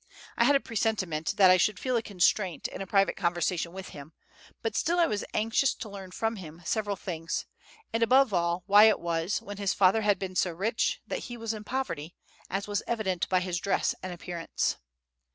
I had a presentiment that I should feel a constraint in a private conversation with him; but still I was anxious to learn from him several things, and, above all, why it was, when his father had been so rich, that he was in poverty, as was evident by his dress and appearance.